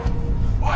おい！